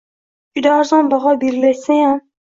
Juda arzon baho belgilashsayam